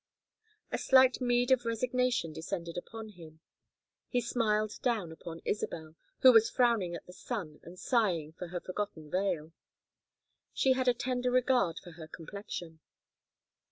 A slight meed of resignation descended upon him. He smiled down upon Isabel, who was frowning at the sun and sighing for her forgotten veil; she had a tender regard for her complexion.